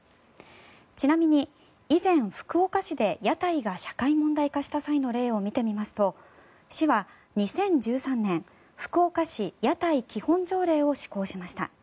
ちなみに以前、福岡市で屋台が社会問題化した際の例を見てみますと市は２０１３年福岡市屋台基本条例を施行しました。